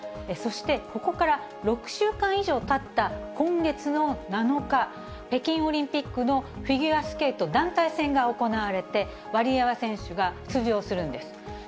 そして、ここから６週間以上たった今月の７日、北京オリンピックのフィギュアスケート団体戦が行われて、ワリエワ選手が出場するんです。